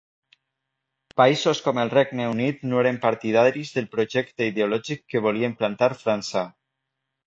Països com el Regne Unit no eren partidaris del projecte ideològic que volia implantar França.